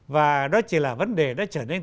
và đó chỉ là vấn đề đã trở nên